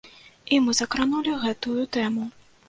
І мы закранулі гэтую тэму.